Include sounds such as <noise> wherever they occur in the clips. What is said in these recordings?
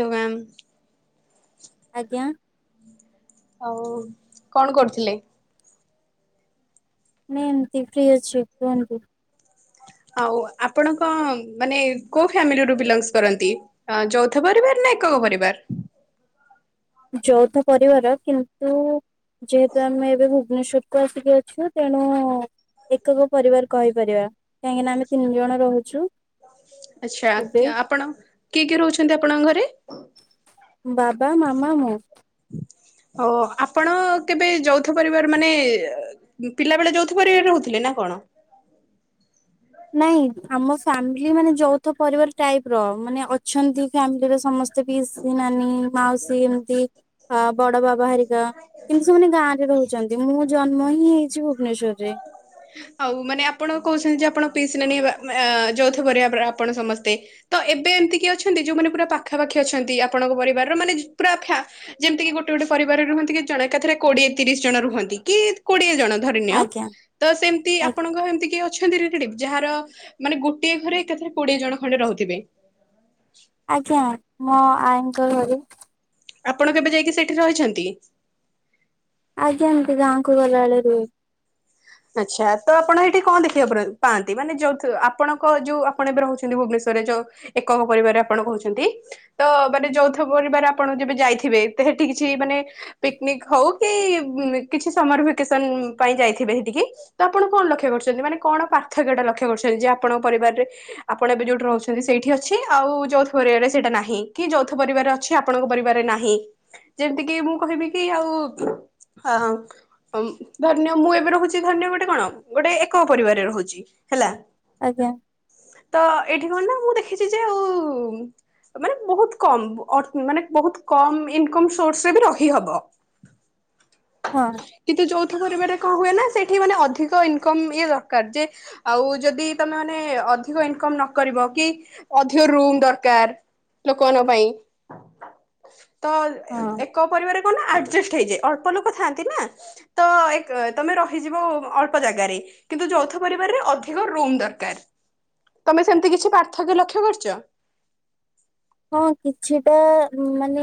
ତୋ ଗ୍ରାମ ଆଜ୍ଞା। ଆଉ କଣ କରୁଥିଲେ? ନାଇଁ ଏମିତି ଫ୍ରି ଅଛି କୁହନ୍ତୁ? ଆଉ ଆପଣଙ୍କ ମାନେ କୋଉ ଫ୍ୟାମିଲିରୁ ବିଲଙ୍ଗସ୍ କରନ୍ତି? ଯୌଥ ପରିବାର ନା ଏକକ ପରିବାର? ଯୌଥ ପରିବାର କିନ୍ତୁ‌‌ ଯେହେତୁ ଆମେ ଏବେ ଭୁବନେଶ୍ବରକୁୁ ଆସିକି ଅଛୁ ତେଣୁ ଏକକ ପରିବାର କହିପାରିବା କାହିଁକିନା ଆମେ ତିନି ଜଣ ରହୁଛୁ ଆଚ୍ଛା ଏବେ। ଆପଣ କିଏ କିଏ ରହୁଛନ୍ତି ଆପଣଙ୍କ ଘରେ? ବାବା, ମାମା, ମୁଁ। ଓ ଆପଣ କେବେ ଯୌଥ ପରିବାର ମାନେ ଏ ପିଲା ବେଳେ ଯୌଥପରିବାରେ ରହୁଥିଲେ ନା କଣ? ନାଇଁ ଆମ ଫାମିଲି ମାନେ ଯୌଥ ପରିବାର ଟାଇପ ର ମାନେ ଅଛନ୍ତି ଫ୍ୟାମିଲିରେ ସମ ପିସି ନାନୀ, ମାଉସୀ ଏମିତି ଅ ବଡ ବାବା ହରିକା କିନ୍ତୁ ସେମାନେ ଗାଁ ରେ ରହୁଛନ୍ତି ମୁଁ ଜନ୍ମ ହିଁ ହେଇଛି ଭୁ ଭୁବନେଶ୍ୱର ରେ। ଆଉ ମାନେ ଆପଣ କହୁଛନ୍ତି ଯେ ଆପଣ ପିସ ନାନୀ ଏମ-ଏ ଯୌଥପରିବାର ଆପଣ ସମସ୍ତେ। ତ ଏବେ ଏମିତି କିି ଅଛନ୍ତି ଯୋଉମାନେ ପୁରା ପାଖାପାଖି ଅଛନ୍ତି ଆପଣଙ୍କ ପରିବାରର ମାନେ ପୁରା ଫା ଯେମିତି କିି ଗୋଟେ ଗୋଟେ ପରିବାରରେ ରୁହନ୍ତି କି ଜଣେ ଏକାଥରେ କୋଡିଏ ତିରିଶ ଜଣ ରୁହନ୍ତି କି କୋଡିଏ ଜଣ ଧରିନିଅ। ଆଜ୍ଞା ତ ସେମିତି ଆପଣ ଆଜ୍ଞା ସାଙ୍ଗ ହେମିତି କିଏ ଅଛନ୍ତି ଇରିଟି ଯାହାର ମାନେ ଗୋଟିଏ ଘରେ ଏକାଥରେ କୋଡିଏ ଜଣ ଖଣ୍ଡେ ରହୁଥିବେ। ଆଜ୍ଞା ମୋ ଆଇଙ୍କ ଘରେ। ଆପଣ କେବେ ଯାଇକି ସେଇଠି ରହିଛନ୍ତି। ଆଜ୍ଞା ଏମିତି ଗାଁ କୁ ଗଲାବେଳେ ରୁହେ ଆଚ୍ଛା ତ ଆପଣ ଏଇଠି କଣ ଦେଖିବାକୁ ପାଆନ୍ତି ମାନେ ଯୋଉ ଆପଣଙ୍କ ଯୋଉ ଆପଣ ଏବେ ରହୁଛନ୍ତି ଭୁବନେଶ୍ୱରରେ ଯୋଉ ଏକଙ୍କ ପରିବାରରେ ଆପଣ କହୁଛନ୍ତି। ତ ମାନେ ଯୌଥ ପରିବାର ଆପଣ ଯେବେ ଯାଇଥିବେ ତ ହେଠି କିଛି ମାନେ ପିକ୍ନିକ୍ ହଉ କି କିଛି ସମର ଭେକେସନ ପାଇଁ ଯାଇଥିବେ ଟିକେ ତ ଆପଣ କଣ ଲକ୍ଷ୍ୟ କରୁଛନ୍ତି ମାନେ କଣ ପାର୍ଥକ୍ୟ ଟା ଲକ୍ଷ୍ୟ କରୁଛନ୍ତି ଯେ ଆପଣଙ୍କ ପରିବାରରେ ଆପଣ ଏବେ ଯୋଉଠି ରହୁଛନ୍ତି ସେଇଠି ଅଛି ଆଉ ଯୌଥ ପରିବାରରେ ସେଇଟା ନାହିଁ କି ଯୌଥ ପରିବାର ଅ ଅଛି ଆପଣଙ୍କ ପରିବାରରେ ନାହିଁ। ଯେମିତି କିି ମୁଁ କହିବି କି ଆଉ ଅ ଧରି ନିଅ ମୁଁ ଏବେ ରହୁଛି ଧରିନିଅ ଗୋଟେ କଣ ଗୋଟେ ଏକକ ପରିବାରରେ ରହୁଛି ହେଲା। ଆଜ୍ଞା। ତ ଏଇଠି କଣ ନା ମୁଁ ଦେଖିଛି ଯେ ଆଉ ମାନେ ବହୁତ କମ୍ ଅ ମାନେ ବହୁତ କମ୍ ଇନକମ ସୋର୍ସ ରେ ବି ରହିହବ। ହଁ। କିନ୍ତୁ ଯୌଥ ପରିବାରେ କଣ ହୁଏ ନା ସେଠି ମାନେ ଅଧିକ ଇନ୍ କମ ଇଏ ଦରକାର ଯେ ଆଉ ଯଦି ତମେ ମାନେ ଅଧିକ ଇନକମ ନ କରିବ କି ଅଧିକ ରୁମ ଦରକାର। ଲୋକମାନଙ୍କ ପାଇଁ ତ ହଁ ଏକ ପରିବାରେ କଣ ନା ଆଡଜେଷ୍ଟ ହେଇଯାଏ ଅଳ୍ପଲୋକ ଥାନ୍ତିନା ତ ଏକ ତମର ରହିଯିବ ଅଳ୍ପ ଜାଗାରେ କିନ୍ତୁ ଯୌଥ ପରିବାରରେ ଅଧିକ ରୁମ ଦରକାର। ତମେ ସେମିତି କିଛି ପାର୍ଥକ୍ୟ ଲକ୍ଷ୍ୟ କରିଛ। ହଁ କିଛିଟା ମାନେ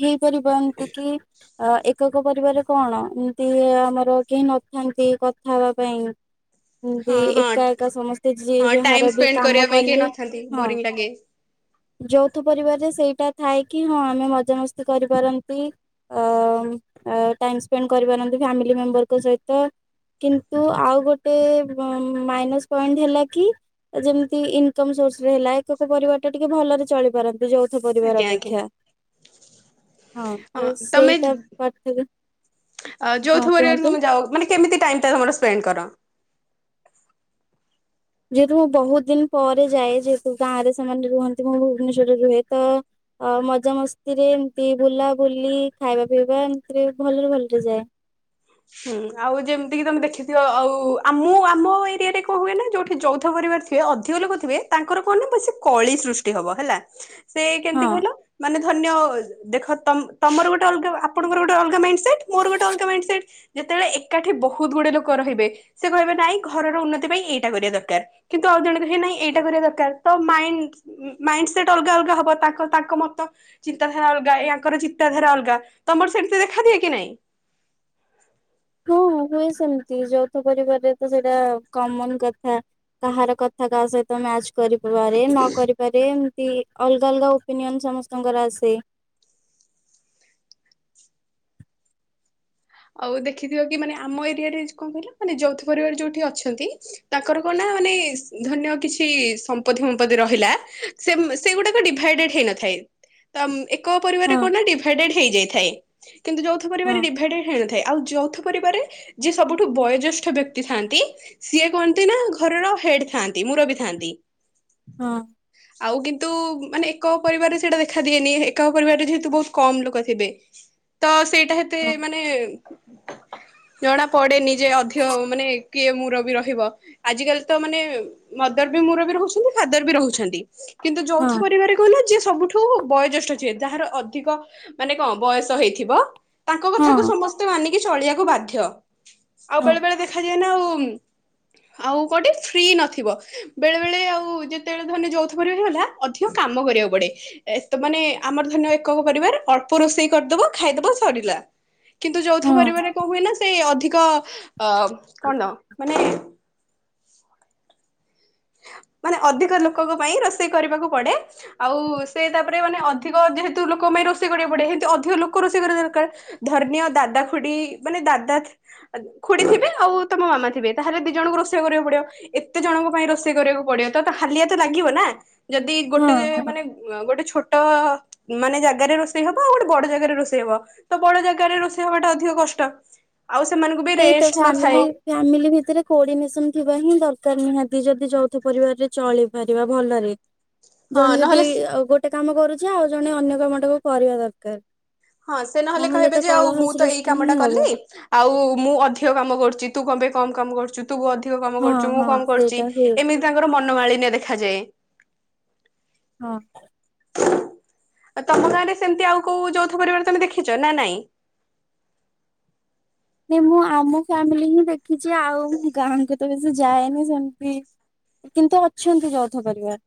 ହେଇପାରିବ ଏମିତି କି। ଅ ଏକକ ପରିବାର କଣ ଏମିତି ଆମର କେହି ନଥାନ୍ତି କଥା ହେବା ପାଇଁ। ଆଚ୍ଛା ଏମତି ହଁ ହଁ ଏକା ଏକା ସମସ୍ତେ ଯିଏ ହଁ ଯାହାର ଟାଇମ ବି ସ୍ପେଣ୍ଡ କାମ କରିବା ପାଇଁ କେହି କଲେ ନଥାନ୍ତି ହଁ ବୋରିଂ ଲାଗେ। ଯୌଥ ପରିବାରରେ ସେଇଟା ଥାଏ କି ହଁ ଆମେ ମଜାମସ୍ତି କରିପାରନ୍ତି। ଅ ଟାଇମ ସ୍ପେଣ୍ଡ କରିପାରନ୍ତି ଫ୍ୟାମିଲି ମେମ୍ବରଙ୍କ ସହିତ। କିନ୍ତୁ ଆଉ ଗୋଟେ ମାଇନସ ପଏଣ୍ଟ ହେଲା କି। ଯେମିତି ଇନକମ ସୋର୍ସ ରେ ହେଲା ଏକକ ପରିବାର ଟା ଟିକେ ଭଲରେ ଚଳି ପାରନ୍। ଯୌଥ ଆଜ୍ଞା ପରିବାର ଆଜ୍ଞା ଅପେକ୍ଷା ହଁ ତ ସେଇଟା ପାର୍ଥକ୍ୟ ଯୌଥ ହଁ ପରିବାରରେ କୁହନ୍ତୁ। ତମେ ଯାଅ ମାନେ କେମିତି ଟାଇମ୍ ଟା ତମର ସ୍ପେଣ୍ଡ କର। ଯେହେତୁ ମୁଁ ବହୁତ ଦିନ ପରେ ଯାଏ ଯେହେତୁ ଗାଁ ରେ ସେମାନେ ରୁହନ୍ତି ମୁଁ ଭୁବନେଶ୍ବରରେ ରୁହେ ତ ଅ ମଜା ମସ୍ତି ରେ ଏମତି ବୁଲା ବୁଲି ଖାଇବା ପିଇବା ଏମିତିରେ ଭଲରେ ଭଲରେ ଯାଏ। ହୁଁ ଆଉ ଯେମିତି କିି ତମେ ଦେଖିଥିବ ଆଉ ମୁଁ ଆମ ଆମ ଏରିଆରେ କଣ ହୁଏ ନା ଯୋଉଠି ଯୌଥ ପରିବାର ଥିବେ ଅଧିକ ଲୋକ ଥିବେ ତାଙ୍କର କଣ ନା ବ ସେ କଳି ସୃଷ୍ଟି ହବ ହେଲା ସେ କେମିତି ହଁ। କହିଲ ମାନେ ଧରିନିଅ ଦେଖ ତମର ଗୋଟେ ଅଲଗା ଆପଣଙ୍କର ଗୋଟେ ଅଲଗା ମାଇଣ୍ଡ ସେଟ୍ ମୋର ଗୋଟେ ଅଲଗା ମାଇଣ୍ଡ ସେଟ୍। ଯେତେବେଳେ ଏକାଠି ବହୁତ ଗୁଡେ ଲୋକ ରହିବେ ସେ କହିବେ ନାଇଁ ଘରର ଉନ୍ନତି ପାଇଁ ଏଇଟା କରିବା ଦରକାର। କିନ୍ତୁ ଆଉ ଜଣ କହିବେ ହେ ନାଇଁ ଏଇଟା କରିବା ଦରକାର ତ ମାଇଣ୍ଡ ମାଇଣ୍ଡ ସେଟ୍ ଅଲଗା ଅଲଗା ହବ ତାଙ୍କ ତାଙ୍କ ମତ। ଚିନ୍ତାଧାରା ଅଲଗା ୟାଙ୍କର ଚିନ୍ତାଧାରା ଅଲଗା ତମର ସେମିତି ଦେଖା ଦିଏ କି ନାଇଁ। ହଁ ହଁ ହୁଏ ସେମିତି ଯୌଥ ପରିବାରରେ ତ ସେଇଟା କମନ କଥା। କାହାର କଥା କାହା ସହିତ ମ୍ୟାଚ୍ କରିପାରେ ନ କରିପାରେ ଏମତି ଅଲଗା ଅଲଗା ଓପିନିଅନ ସମସ୍ତଙ୍କର ଆସେ। ଆଉ ଦେଖିଥିବ କି ମାନେ ଆମ ଏରିଆରେ କଣ କହିଲା ମାନେ ଯୌଥ ପରିବାର ଯୋଉଠି ଅଛନ୍ତି। ତାଙ୍କର କଣ ନା ମାନେ ଧନ୍ୟ କିଛି ସମ୍ପତ୍ତି ଫପତି ରହିଲା। ସେ ସେଗୁଡାକ ଡିଭାଇଡେଡ ହେଇନଥାଏ। ତ ଏକ ପରିବାରେ ହଁ କଣ ନା ଡିଭାଇଡେଡ ହେଇଯାଇଥାଏ କିନ୍ତୁ ଯୋଉଥ ହଁ ପରିବ ଡିଭାଇଡେଡ ହେ ଥାଏ ଆଉ ଯୌଥ ପରିବାରେ ଯିଏ ସବୁଠୁ ବୟୋଜ୍ୟେଷ୍ଠ ବ୍ୟକ୍ତି ଥାଆନ୍ତି। ସିଏ କହନ୍ତି ନା ଘରର ହେଡ ଥାନ୍ତି ମୁରବି ଥାନ୍ତି। ହଁ ଆଉ କିନ୍ତୁ ମାନେ ଏକ ପରିବାରରେ ସେଇଟା ଦେଖା ଦିଏନି ଏକ ପରିବାରରେ ଯେହେତୁ ବହୁତ କମ ଲୋକ ଥିବେ। ତ ସେଇଟା ହେତେ ହଁ। ମାନେ ଜଣା ପଡେ ନି ଜେ ଅଧିଅ ମାନେ କିଏ ମୂରବି ରହିବ। ଆଜ କାଲି ତ ମାନେ ମଦର ବି ମୁରବି ବି ରହୁଛନ୍ତି ଫାଦର ବି ରହୁଛନ୍ତି କିନ୍ତୁ ଯୌଥ ହଁ ପରିବାରରେ କହିଲ ଯିଏ ସବୁଠୁ ବୟୋଜ୍ୟେଷ୍ଠ ଯିଏ ଯାହାର ଅଧିକ ମାନେ କଣ ବୟସ ହେଇଥିବ? ୟ୍ୟାଙ୍କ ହଁ କଥାକୁ ହଁ ସମସ୍ତେ ମାନିକି ଚଳିବାକୁ ବାଧ୍ୟ ଆଉ ହଁ ବେଳେ ବେଳେ ଦେଖାଯାଏ ନା ଆଉ ଉଁ ଆଉ କୋଉଠି ଫ୍ରି ନଥିବ। ବେଳେ ବେଳେ ଆଉ ଯେତେବେଳେ ଧରିନିଅ ଯୌଥ ପରିବାରରେ ହେଲା ଅଧିକ କାମ କରିବାକୁ ପଡେ। ଏ ତ ମାନେ ଆମର ଧରିନିଅ ଏକକ ପରିବାର ଅଳ୍ପ ରୋଷେଇ କରିଦବ ଖାଇଦବ ସରିଲା। କିନ୍ତୁ ଯୋଉଥ ହଁ। ପରିବାରରେ କଣ ହୁଏ ନା ସେ ଅଧିକ ଅ କଣ ଦ ମାନେ ମାନେ ଅଧିକ ଲୋକଙ୍କ ପାଇଁ ରୋଷେଇ କରିବାକୁ ପଡେ। ଆଉ ସେ ତାପରେ ମାନେ ଅଧିକ ଯେହେତୁ ଲୋକଙ୍କ ପାଇଁ ରୋଷେଇ କରିବାକୁ ପଡେ, ହେନ୍ତି ଅଧିକ ଲୋକ ରୋଷେଇ କରିବା ଦରକାର। ଧରିନିଅ ଦାଦା, ଖୁଡି, ମାନେ ଦାଦା ଖୁଡି ଥିବେ ଆଉ ତମ ମାମା ଥିବେ ତାହେଲେ, ଦି ଜଣଙ୍କୁ ରୋଷେଇ କରିବାକୁ ପଡିବ ଏତେ ଜଣଙ୍କ ପାଇଁ ରୋଷେଇ କରିବାକୁ। ପଡିବ ତ ହାଲିଆ ତ ଲାଗିବ ନା ଯଦି ଗୋଟେ ହଁ ମାନେ ଗୋଟେ ଛୋଟ ମାନେ ଜାଗାରେ ରୋଷେଇ ହବ ଆଉ ଗୋଟେ ବଡ ଜାଗାରେ ରୋଷେଇ ହବ ତ ବଡ ଜାଗାରେ ରୋଷେଇ ହବାଟା ଅଧିକ କଷ୍ଟ। ଆଉ ସେମାନଙ୍କୁ ବି ସେଇ ତ ରେଷ୍ଟ ଫ୍ୟାମିଲି ନଥାଏ। ଫ୍ୟାମିଲି ଭିତରେ କୋର୍ଡିନେସନ ଥିବା ହିଁ ଦରକାର ନିହାନ୍ତି ଯଦି, ଯୌଥ ପରିବାରରେ ଚଳିପାରିବା ଭଲରେ। ହଁ ଜଣେ ଯଦି ଏଇ ନହେଲେ ଆଉ ଗୋଟେ କାମ କରୁଛି ଆଉ ଜଣେ ଅନ୍ୟ କାମଟାକୁ କରିବା ଦରକାର। ହଁ ସେ ନହେଲେ କହିବେ ତ ଯେ ଆଉ କଳହ ମୁଁ ତ ଏଇ ସୃଷ୍ଟି କାମ ହିଁ ଟା ହବ କଲି? ଆଉ ମୁଁ ଅଧିକ କାମ କରୁଛି, ତୁ କଣ ପାଇଁ କମ କାମ କରୁଛୁ। ତୁ ଅଧିକ କାମ ହଁ କରୁଛୁ ମୁଁ ହଁ କମ କରୁଛି, ସେଇଟା ହୁଏ। ଏମିତି ତାଙ୍କର ମନମାଳିନ୍ୟ ଦେଖାଯାଏ। ହଁ ଆ ତମ ଗାଁରେ ସେମିତି ଆଉ କୋଉ ଯୌଥ ପରିବାର ତମେ ଦେଖିଛ ନା ନାଇଁ? ନାଇଁ ମୁଁ ଆମ ଫ୍ୟାମିଲି ହିଁ ଦେଖିଛି ଆଉ ଗାଁଙ୍କୁ ତ ବେଶି ସେ ଯାଏନି ସେମିତି କିନ୍ତୁ ଅଛନ୍ତି, ଯୌଥ ପରିବାର।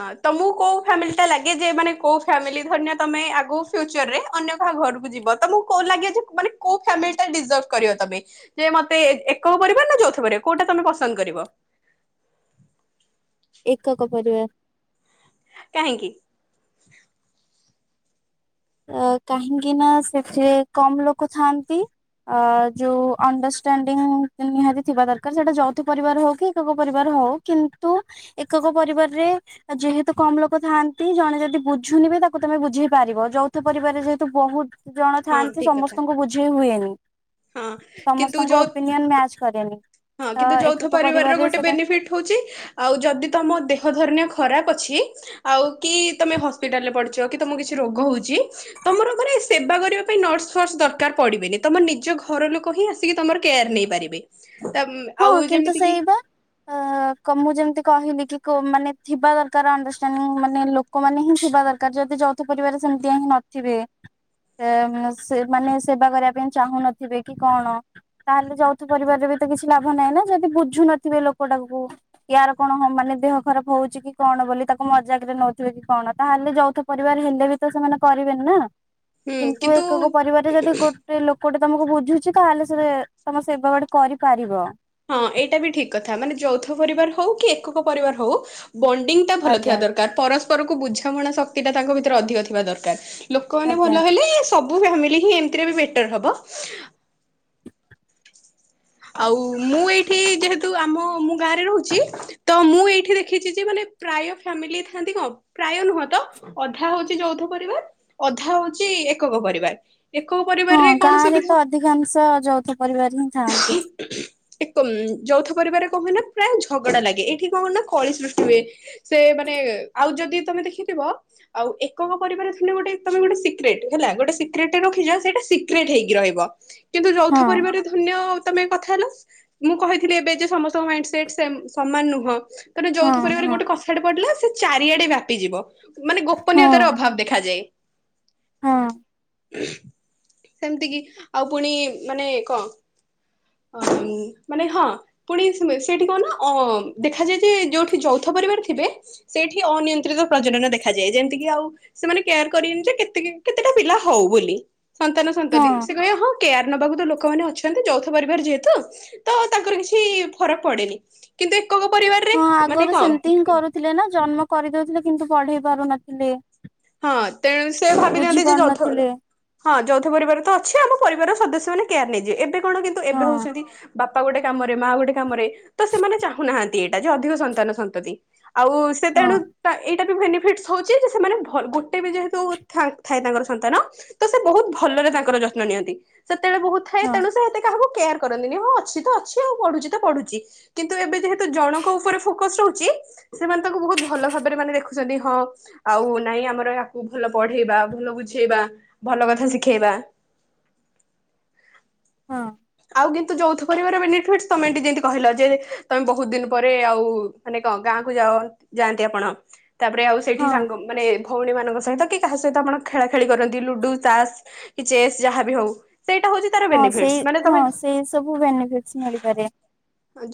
ଆଁ ତମକୁ କୋଉ ଫ୍ୟାମିଲି ଟା ଲାଗେ ଯେ ମାନେ କୋଉ ଫ୍ୟାମିଲି ଧରିନିଅ ତମେ ଆଗ ଫ୍ୟୁଚରରେ ଅନ୍ୟ କାହା ଘରକୁ ଯିବ ତମକୁ କଣ ଲାଗେ ଯେ ମାନେ କୋଉ ଫ୍ୟାମିଲୀ ଟା ଡିଜର୍ଭ କରିବ ତମେ। ଯେ ମତେ ଏକକ ପରିବାର ନା ଯୋଉଥ ପରିବାର କୋଉଟା ତମେ ପସନ୍ଦ କରିବ? ଏକକ ପରିବାର। କାହିଁକି? ଆ କାହିଁକି ନା, ସେଠେ କମ ଲୋକ ଥାଆନ୍ତି। ଆ ଯୋଉ ଅଣ୍ଡରଷ୍ଟାଣ୍ଡିଙ୍ଗ ନିହାତି ଥିବା ଦରକାର, ସେଇଟା ଯୌଥ ପରିବାର ହଉ କି ଏକକ ପରିବାର ହଉ। କିନ୍ତୁ ଏକକ ପରିବାରରେ ଯେହେତୁ କମ ଲୋକ ଥାଆନ୍ତି ଜଣେ ଯଦି ବୁଝୁନିବି ତାକୁ ତମେ ବୁଝେଇ ପାରିବ ଯୋଉ, ଥ ପରିବାରରେ ଯେହେତୁ, ବହୁତ ଜଣ ହଁ ଥାଆନ୍ତି ଠିକ କଥା ସମସ୍ତଙ୍କୁ ବୁଝେଇ ହୁଏନି। ହଁ କିନ୍ତୁ ସମସ୍ତଙ୍କ ଯୌଥ ଓପିନିଅନ ମ୍ୟାଚ କରେନି। ହଁ ତ କିନ୍ତୁ ଯୌଥ ଏକକ ପରିବାର ର ପରିବାରରେ ଗୋଟେ ସେଟା ବେନିଫିଟ ହଉଛି। ଆଉ ଯଦି ତମ ଦେହ ଧରିନିଅ ଖରାପ ଅଛି। ଆଉ କି ତମେ ହସ୍ପିଟାଲ ରେ ପଡିଛ, କି ତମକୁ କିଛି ରୋଗ ହୋଉଛି। ତମର ମାନେ ସେବା କରିବା ପାଇଁ ନର୍ସ, ଫର୍ସ ଦରକାର ପଡିବେନି ତମ ନିଜ ଘର ଲୋକ ହିଁ ଆସ ସିକି ତମର କେୟାର ନେଇପାରିବେ। ତାମ୍ ହଁ କିନ୍ତୁ ସେଇ ବା। <unintelligible> ଆ କ ମୁଁ ଯେମିତି କହିଲି କି, କୋଉମାନେ ଥିବା ଦରକାର ଅଣ୍ଡରଷ୍ଟାଣ୍ଡିଙ୍ଗ ମାନେ ଲୋକମାନେ ହିଁ ଥିବା ଦରକାର ଯଦି ଜ ଥ ପରିବାରରେ ସେମିତିଆ ହଁ ନଥିବେ। ସେ ମାନେ ସେବା କରିବା ପାଇଁ ଚାହୁଁନଥିବେ କି କଣ। ତାହେଲେ ଯଉଥ ପରିବାରରେ ବି ତ କିଛି ଲାଭ ନାହିଁ ନା ଯଦି ବୁଝୁ ନଥିବେ ଲୋକଟାକୁ। ଇୟାର କଣ ହଁ ମାନେ ଦେହ ଖରାପ ହଉଛି କି କଣ ବୋଲି ତାକୁ ମଜାକରେ ନଉଥିବେ କି କଣ ତାହେଲେ, ଯଉଥ ପରିବାର ହେଲେ ବି ତ ସେମାନେ କରିବେନି ନା କିନ୍ତୁ ଏକକ ପରିବାରରେ ଯଦି ଗୋ ଟେ ଲୋକଟେ ତମକୁ ବୁଝୁଛି ତାହେଲେ ସେ ତମ ସେବା ବାଡ଼ି କରିପାରିବ। ହଁ ଏଇଟା ବି ଠିକ କଥା ମାନେ ଯୌଥ ପରିବାର ହଉ କି ଏକକ ପରିବାର ହଉ ବଣ୍ଡିଙ୍ଗ ଟା ଭଲ ଥିବା ଆଜ୍ଞା ଦର କାର ପରସ୍ପର କୁ ବୁଝାମଣା ଶକ୍ତି ଟା ତାଙ୍କ ଭିତରେ ଅଧିକ ଥିବା ଦରକାର ଲୋକମାନେ ଆଜ୍ଞା ଭଲ ହେଲେ ସବୁ ଫ୍ୟାମିଲି ହିଁ ଏମତିରେ ବି ବେଟର ହବ। ଆଉ ମୁଁ ଏଇଠି ଯେହେତୁ ଆମ ମୁଁ ଗାଁରେ ରହୁଛି। ତ ମୁଁ ଏଇଠି ଦେଖିଛି ଯେ ମାନେ ପ୍ରାୟ ଫ୍ୟାମିଲି ଥାନ୍ତି କଣ ପ୍ରାୟ ନୁହଁ ତ ଅଧା ହଉଛି ଯୌଧ ପରିବାର ଅଧା ହଉଛି ଏକକ ପରିବାର। ଏକକ ହଁ ପରିବାରରେ ଗାଁ କଣ ରେ ତ ସୁବିଧା? ଅଧିକାଂଶ ଯୌଥ ପରିବାର ହିଁ ଥାଆନ୍ତି। ଏକ ଯୌଥ ପରିବାରେ କଣ ହୁଏ ନା ପ୍ରାୟ ଝଗଡା ଲାଗେ ଏଇଠି କଣ ହୁ ନା କଳି ସୃଷ୍ଟି ହୁଏ। ସେ ମାନେ ଆଉ ଯଦି ତମେ ଦେଖିଥିବ। ଆଉ ଏକକ ପରିବାର ଥିଲେ ଗୋଟେ ତମେ ଗୋଟେ ସିକ୍ରେଟ ହେଲା ଗୋଟେ ସିକ୍ରେଟରେ ରଖିଯା ସେଇଟା ସି କ୍ରେଟ ହେଇକି ରହିବ କିନ୍ତୁ ଯୌଥ ହଁ ପରିବାର ଧନ୍ୟ ତମେ କଥା ହେଲ ମୁଁ କହିଥିଲି ଏବେ ଯେ ସମସ୍ତଙ୍କ ମାଇଣ୍ଡ ସେଟ ସେ ସମାନ ନୁହଁ। ଥରେ ହଁ ଯୋଉଥ ପରିବାର ହଁ ଗୋଟେ କଥା ଟେ ପଡିଲା ସେ ଚାରିଆଡେ ବ୍ୟାପିଯିବ। ମାନେ ହଁ ଗୋପନୀୟତାର ଅଭାବ ଦେଖାାଯାଏ। ହଁ। ସେମିତି କିି ଆଉ ପୁଣି ମାନେ କଁ ଅ ଉଁ ମାନେ ହଁ। ପୁଣି ସେଇଠି କଣ ନା ଅ ଦେଖାଯାଏ ଯେ ଯୋଉଠି ଯୌଥ ପରିବାର ଥିବେ ସେଇଠି ଅନିୟନ୍ତ୍ରିତ ପ୍ରଜଜନ ଦେଖାଯାଏ ଯେମିତିକି ଆଉ ସେମାନେ କେୟାର କରିବେନି ଯେ କେତେ କେତେଟା ପିଲା ହଉ ବୋଲି ସନ୍ତାନ ହଁ ସଂତଦି ସେ କହିବେ ହଁ କେୟାର ନବାକୁ ତ ଲୋକମାନେ ଅଛନ୍ତି। ଥାନ୍ତି ଯୌଥ ପରିବାର ଯେହେତୁ ତ ତାଙ୍କର କିଛି ଫରକ ପଡେନି। କିନ୍ତୁ ଏକକ ପରିବାରରେ ମାନେ କଣ? ଥିଲେ ନା ଜନ୍ମ କରିଦଉଥିଲେ କିନ୍ତୁ ପଢେଇ ପାରୁନଥିଲେ। ହଁ ତେଣୁ ସେ ବୁଝି ଭାବିଦିଅନ୍ତି ଯେ ଯୌଥ ଘର ପାରୁନଥିଲେ ହଁ ଯୌଥ ପରିବାର ତ ଅଛି ଆମ ପରିବାରର ସଦସ୍ୟ ମାନେ କେୟାର ନେଇଯିବେ ଏବେ କଣ କିନ୍ତୁ ଏବେ ହଁ ହଉଛନ୍ତି ବାପା ଗୋଟେ କାମରେ ମା ଗୋଟେ କାମରେ ତ ସେମାନେ ଚାହୁଁନାହାନ୍ତି ଏଇଟା ଯେ ଅଧିକ ସନ୍ତାନ ସନ୍ତତି। ଆଉ ସେ ହଁ ତେଣୁ ତା ଏଇଟା ବି ବେନିଫିଟସ ହଉଛି ଯେ ସେମାନେ ଭ ଲ ଗୋଟେ ବି ଯେହେତୁ ଥା ଥାଏ ତାଙ୍କର ସନ୍ତାନ ତ ସେ ବହୁତ ଭଲରେ ତାଙ୍କର ଯତ୍ନ ନିଅନ୍ତି। ସେତେବେଳେ ବହୁତ ହଁ। ତ ଏତେ କାହାକୁ କେୟାର କରନ୍ତିନି। ହଁ ଅଛି ତ ଅଛି ଆଉ ପଢୁଚି ତ ପଢୁଚି। କିନ୍ତୁ ଏବେ ଯେହେତୁ ଜଣଙ୍କ ଉପରେ ଫୋକଷ ରହୁଛି ସେମାନେ ତା କୁ ବହୁତ ଭଲ ଭବାରେ ମାନେ ଦେଖୁଚନ୍ତି। ହଁ ଆଉ ନାଇଁ ଆମର ୟାକୁ ଭଲ ପଢେଇବା ଭଲ ବୁଝେଇବା ଭଲ କଥା ଶିଖେଇବା। ହଁ। ଆଉ କିନ୍ତୁ ଯୋଥ ପରିବାର ବେନିଫିଟ ତମେ ଏ ଯେମିତି କହିଲ ଯେ ତମେ ବହୁତ ଦିନ ପରେ ଆଉ ମାନେ କଣ ଗାଁ କୁ ଯା ଯାଆନ୍ତି ଆପଣ। ତାପରେ ଆଉ ସେଠି ହଁ ସାଙ୍ଗ ମାନେ ଭଉଣୀ ମାନଙ୍କ ସହିତ କି କାହା ସହିତ ଆପଣ ଖେଳା ଖେଳି କରନ୍ତି ଲୁଡୁ ତାସ କି ଚେସ୍ ଯାହା ବି ହଉ ସେଇଟା ହଉଚି ହଁ ସେଇ ହଁ ସେଇ ସବୁ ବେନିଫିଟଶ ମିଳିପାରେ।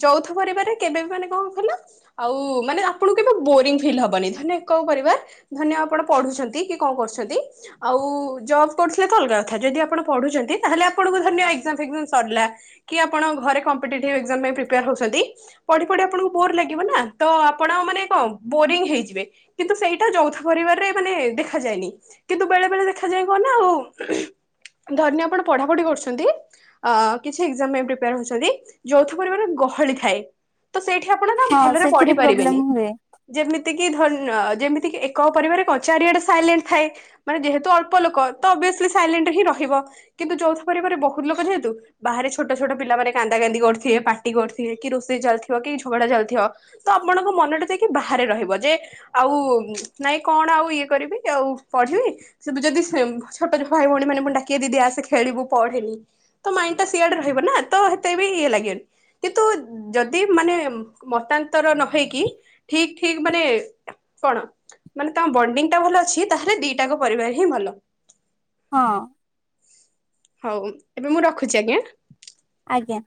ଯୌଥ ପରିବାରରେ କେବେ ବି ମାନେ କଣ ଖଲ ଆଉ ମାନେ ଆପଣଙ୍କୁ କେବେ ବୋରିଙ୍ଗ ଫିଲ୍ ହବନି। ଧରିନିଅ ଏକକ ପରିବାର ଧରି ନିଅ ଆପଣ ପଢୁଚନ୍ତି କି କଣ କରୁଚନ୍ତି ଆଉ ଜବ୍ କରୁଥିଲେ ତ ଅଲଗା କଥା ଯଦି ଆପଣ ପଢୁଚନ୍ତି ତାହେଲେ ଆପଣଙ୍କୁ <unintelligible> <unintelligible> ସରିଲା କି ଆପଣ ଘରେ କଂପେଟିଟୀଭି ଏକ୍ଜାମ ପାଇଁ ପ୍ରେପାରେ ହଉଚନ୍ତି ପଢି ପଢି ଆପଣଙ୍କୁ ବୋର ଲାଗିବ ନା ତ ଆପଣ ମାନେ କଣ ବୋରିଙ୍ଗ ହେଇଯିବେ। କିନ୍ତୁ ସେଇଟା ଯୌଥ ପରିବାରରେ ମାନେ ଦେଖାଯାଏନି। କିନ୍ତୁ ବେଳେ ବେଳେ ଦେଖାଯାଏ କଣ ନା ଧରିନିଅ ଆପଣ ପଢାପଢି କରୁଚନ୍ତି। ଅ କିଛି ଏକ୍ଜାମ ମ ପାଇଁ ପ୍ରିପେୟାର ହଉଚନ୍ତି। ଯୌଥ ପରିବାରରେ ଗହଳି ଥାଏ। ତ ସେଇଠି ଆପଣ ନା ହଁ ଭଲରେ ସେଥିରେ ପଢି ପ୍ରୋବ୍ଲେମ ପାରିବେନି। ହୁଏ ଯେମିତି କିି ଧରିନିଅ ଯେମିତି କିି ଏକ ପରିବାର ରେ କ ଚାରିଆଡେ ସାଇଲେଣ୍ଟ ଥାଏ। ମାନେ ଯେହେତୁ ଅଳ୍ପ ଲୋକ ତ ଅବିଅସଲି ସାଇଲେଟ ହିଁ ରହିବ। କିନ୍ତୁ ଯୌଥ ପରିବ ବହୁତ ଲୋକ ଯେହେତୁ ବାହାରେ ଛୋଟ ଛୋଟ ପିଲାମାନେ କାନ୍ଦା କାନ୍ଦି କର କରିଥିବେ ପାଟି କରଥେ କି ରୋଷେଇ ଚାଲିଥିବ କି ଝଗଡା ଚାଲିଥିବ ତ ଆପଣଙ୍କ ମନ ଟେ ଯାଇକି ବାହାରେ ରହିବ ଯେ ଆଉ ନାଇଁ କଣ ଆଉ ଇଏ କରିବି ଆଉ ପଢିବି <unintelligible> ଛୋଟଛୋଟ ଭାଇ ଭଉଣି ମାନେ ପୁଣି ଡାକିଏ ଦି ଆସେ ଖେଳିବୁ ପଢେନି। ତ ମାଇଣ୍ଡ ଟା ସିଆଡ ରହିବ ନା ତ ହେତେ ବି ଇଏ ଲାଗେନି। କିନ୍ତୁ ଯଦି ମାନେ ମତାନ୍ତର ନ ହେଇକି ଠିକ ଠିକ ମାନେ କଣ ମାନେ ତମ ବଣ୍ଡିଙ୍ଗ ଟା ଭଲ ଅଛି ତାହେଲେ ଦିଟାଙ୍କ ପରିବାର ହିଁ ଭଲ। ହଁ। ହଉ ଏବେ ମୁଁ ରଖୁଚି ଆଜ୍ଞା। ଆଜ୍ଞା।